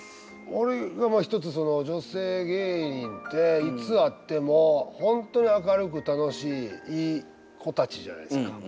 一つその女性芸人っていつ会っても本当に明るく楽しいいい子たちじゃないですか。